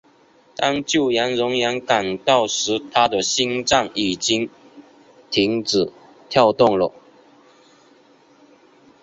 当救援人员赶到时他的心脏已经停止跳动了。